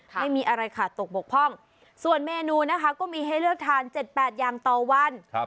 ไม่มีอะไรขาดตกบกพร่องส่วนเมนูนะคะก็มีให้เลือกทาน๗๘อย่างต่อวัน